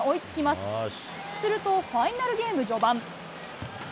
するとファイナルゲーム序盤。